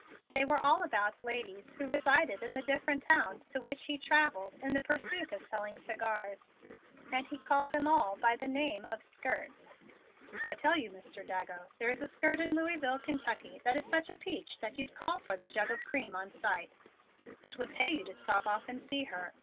They were all about ladies who resided in the different towns to which he traveled in the pursuit of selling cigars, and he called them all by the name of "skirts." "I tell you, Mr. Dago, there is a skirt in Louisville, Kentucky, that is such a peach that you'd call for the cream jug on sight. It would pay you to stop off and see her.